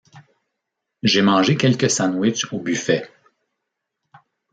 J'ai mangé quelques sandwiches au buffet.